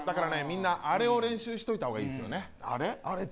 みんなあれを練習しといた方がいいですよねあれ？